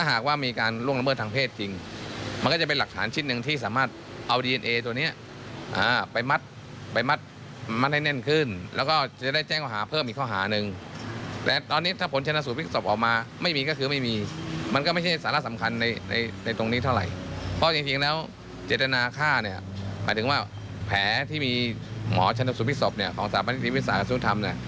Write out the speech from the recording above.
หมายถึงว่าแผลที่มีหมอชนสุพิศพของสรรพนิษฐ์วิทยาศาสตร์กับสู้ธรรม